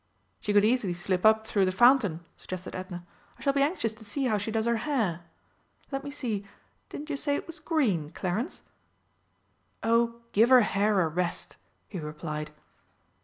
"She could easily slip up through the fountain," suggested Edna. "I shall be anxious to see how she does her hair. Let me see didn't you say it was green, Clarence?" "Oh, give her hair a rest!" he replied.